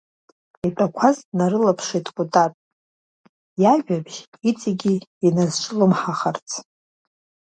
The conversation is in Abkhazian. Итәақәаз днарылаԥшит Кәатат, иажәабжь иҵагь иназҿлымҳахарц.